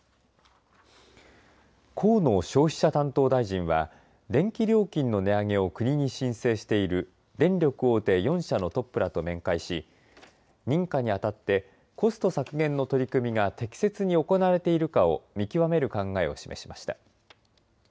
河野消費者担当大臣は電気料金の値上げを国に申請している電力大手４社のトップらと面会し認可にあたってコスト削減の取り組みが適切に行われているかを見極める考えを示しました。